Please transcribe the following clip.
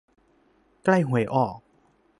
ใกล้หวยออก